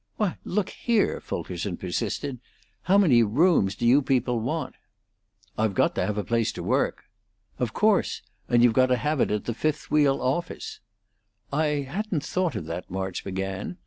"Why, look here!" Fulkerson persisted. "How many rooms do you people want?" "I've got to have a place to work " "Of course! And you've got to have it at the Fifth Wheel office." "I hadn't thought of that," March began.